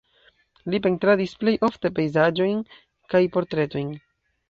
Li pentradis plej ofte pejzaĝojn kaj portretojn.